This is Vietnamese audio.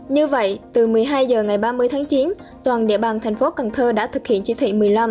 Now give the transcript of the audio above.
như vậy từ một mươi hai h ngày ba mươi tháng chín toàn địa bàn thành phố cần thơ đã thực hiện chỉ thị một mươi năm